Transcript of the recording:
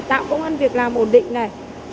tạo công an việc làm ổn định này